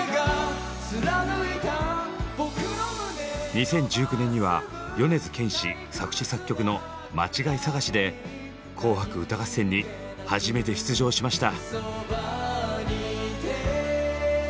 ２０１９年には米津玄師作詞作曲の「まちがいさがし」で「紅白歌合戦」に初めて出場しました。